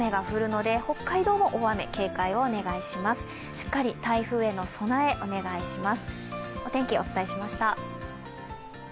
しっかり台風への備えお願いします。